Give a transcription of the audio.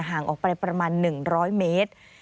ห่างออกไปประมาณ๑๐๐เมตร